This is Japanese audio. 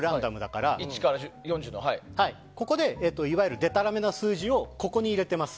ここでいわゆるでたらめな数字を入れてます。